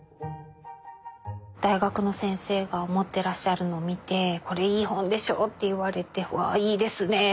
大学の先生が持ってらっしゃるのを見てこれいい本でしょう？って言われてわいいですね